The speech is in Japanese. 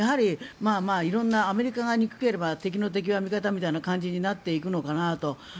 いろいろなアメリカが憎ければ敵の敵は味方という感じになっていくのかなと。